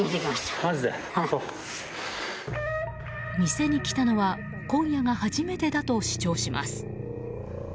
店に来たのは今夜が初めてだと主張します。